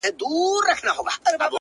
o خو كله ؛ كله مي بيا؛